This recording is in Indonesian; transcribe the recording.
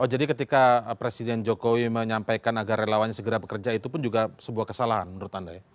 oh jadi ketika presiden jokowi menyampaikan agar relawannya segera bekerja itu pun juga sebuah kesalahan menurut anda ya